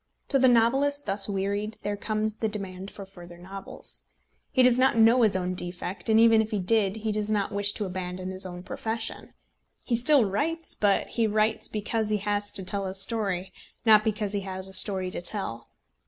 To the novelist thus wearied there comes the demand for further novels. He does not know his own defect, and even if he did he does not wish to abandon his own profession. He still writes; but he writes because he has to tell a story, not because he has a story to tell.